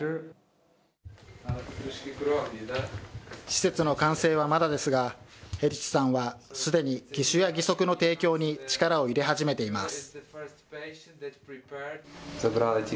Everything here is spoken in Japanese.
施設の完成はまだですが、ヘリチさんは、すでに義手や義足の提供に力を入れ始めています。